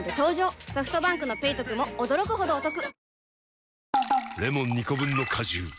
ソフトバンクの「ペイトク」も驚くほどおトク